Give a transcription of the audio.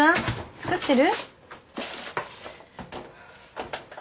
作ってる？